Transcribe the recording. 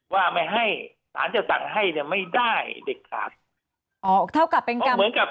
ว่าไม่ให้สารจะสั่งให้เนี่ยไม่ได้เด็ดขาดอ๋อเท่ากับเป็นการเหมือนกับ